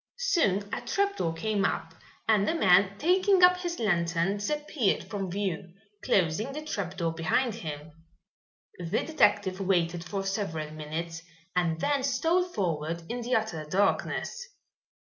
Soon a trapdoor came up, and the man, taking up his lantern, disappeared from view, closing the trapdoor behind him. The detective waited for several minutes and then stole forward in the utter darkness.